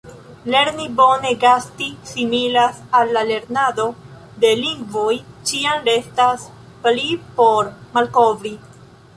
Lerni bone gasti similas al la lernado de lingvoj; ĉiam restas pli por malkovri.